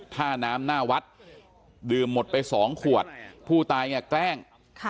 ท่าน้ำหน้าวัดดื่มหมดไป๒ขวดผู้ตายเนี่ยแกล้ง